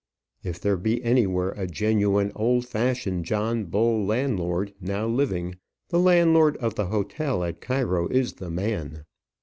If there be anywhere a genuine, old fashioned John Bull landlord now living, the landlord of the hotel at Cairo is the man.